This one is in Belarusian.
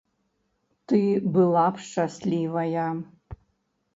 Ты была б шчаслівая.